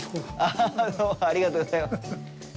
アハハ、どうもありがとうございます。